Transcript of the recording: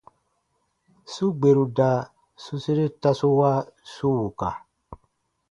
Su gberu da su sere tasu wa su wuka.